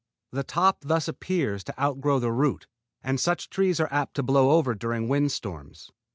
The top thus appears to outgrow the root, and such trees are apt to blow over during wind storms.